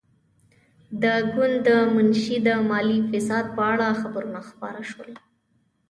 د ګوند د منشي د مالي فساد په اړه خبرونه خپاره شول.